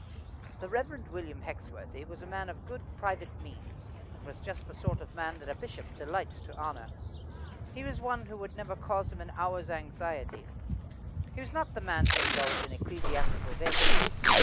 The Reverend William Hexworthy was a man of good private means, and was just the sort of man that a bishop delights to honour. He was one who would never cause him an hour's anxiety; he was not the man to indulge in ecclesiastical vagaries.